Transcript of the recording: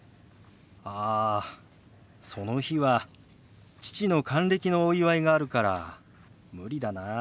ああその日は父の還暦のお祝いがあるから無理だな。